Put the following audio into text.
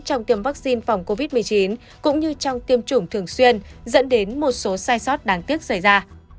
trong tiêm vaccine phòng covid một mươi chín cũng như trong tiêm chủng thường xuyên dẫn đến một số sai sót đáng tiếc xảy ra